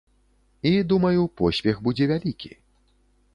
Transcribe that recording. І, думаю, поспех будзе вялікі.